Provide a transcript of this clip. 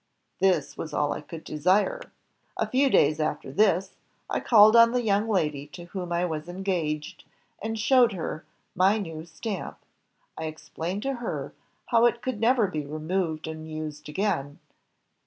This was all I could desire. ... A few days after this .... I called on the young lady to whom I was HENRY BESSEMER lyi engaged, and showed her ... my new ... stamp. I explained to her how it could never be removed and used again